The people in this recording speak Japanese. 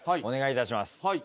お願いいたします。